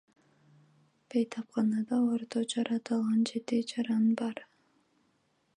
Бейтапканада орто жарат алган жети жаран бар.